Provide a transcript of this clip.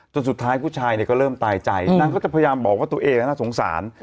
สุดท้ายผู้ชายเนี่ยก็เริ่มตายใจนางก็จะพยายามบอกว่าตัวเองน่าสงสาร